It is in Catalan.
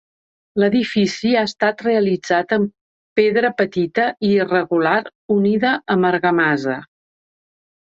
L'edifici ha estat realitzat amb pedra petita i irregular unida amb argamassa.